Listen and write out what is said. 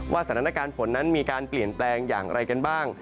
สถานการณ์ฝนนั้นมีการเปลี่ยนแปลงอย่างไรกันบ้าง